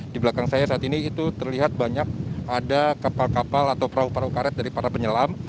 di belakang saya saat ini itu terlihat banyak ada kapal kapal atau perahu perahu karet dari para penyelam